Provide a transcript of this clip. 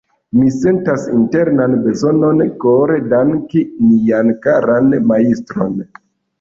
Mi sentas internan bezonon kore danki nian karan Majstron.